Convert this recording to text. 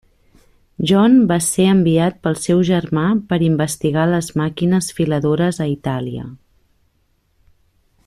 John va ser enviat pel seu germà per investigar les màquines filadores a Itàlia.